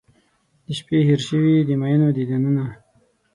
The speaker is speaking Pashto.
د شپې هیر شوي د میینو دیدنونه